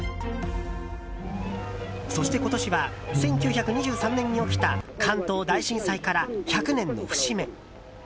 そして今年は１９２３年に起きた関東大震災から１００年の節目。